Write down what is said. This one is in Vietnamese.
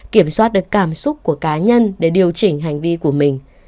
kiểm soát được cảm xúc của cá nhân để điều chỉnh hành vi của mình